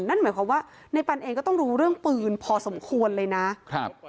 นั่นหมายความว่าในปันเองก็ต้องรู้เรื่องปืนพอสมควรเลยนะครับ